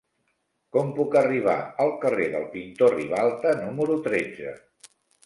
Com puc arribar al carrer del Pintor Ribalta número tretze?